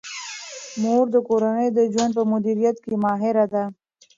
مور د کورني ژوند په مدیریت کې ماهر ده.